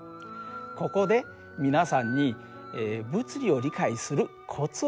ここで皆さんに物理を理解するコツを教えましょう。